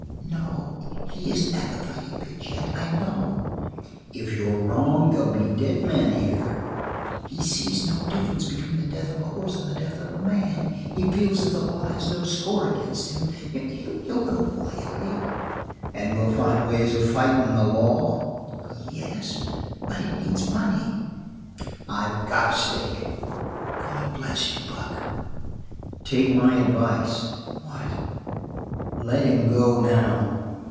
"No, he isn't at the fighting pitch yet, I know!" "If you're wrong they'll be dead men here." "He sees no difference between the death of a horse and the death of a man. He feels that the law has no score against him. He'll go quietly." "And we'll find ways of fightin' the law?" "Yes, but it needs money." "I've got a stake." "God bless you, Buck." "Take my advice." "What?" "Let him go now."